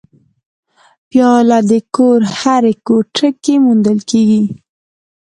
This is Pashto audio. پیاله د کور هرې کوټې کې موندل کېږي.